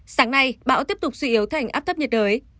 sáng nay bão tiếp tục suy yếu thành áp thấp nhiệt đới